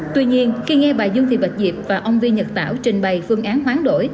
tuy nhiên khi nghe bà dương thị bạch diệp và ông vi nhật tảo trình bày phương án hoán đổi